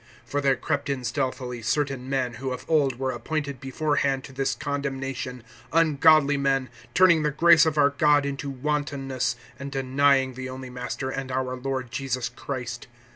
(4)For there crept in stealthily certain men, who of old were appointed beforehand to this condemnation, ungodly men, turning the grace of our God into wantonness, and denying the only Master, and our Lord Jesus Christ.